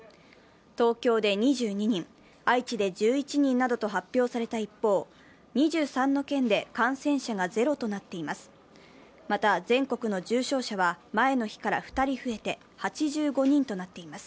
東京で２２人、愛知で１１人などと発表された一方、２３の県で感染者がゼロとなっています。